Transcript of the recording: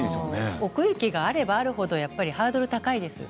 奥行きがあればある程ハードルが高いです。